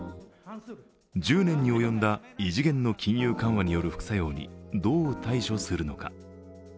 １０年に及んだ異次元の金融緩和による副作用にどう対処するのか。